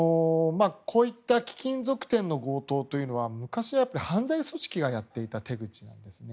こういった貴金属店の強盗というのは昔は犯罪組織がやっていた手口なんですね。